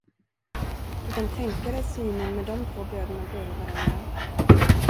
Du kan tänka dig synen med de två bröderna bredvid varandra.